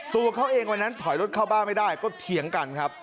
ตัวเขาเองวันนั้นถอยรถเข้าบ้านไม่ได้ก็เถียงกันครับ